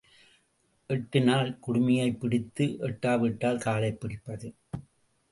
எட்டினால் குடுமியைப் பிடித்து எட்டாவிட்டால் காலைப் பிடிப்பது.